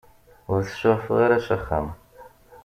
Ur t-suɛfeɣ ara s axxam.